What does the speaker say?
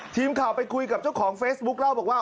ทีมข่าวไปคุยกับเจ้าของเฟซบุ๊คเล่าบอกว่า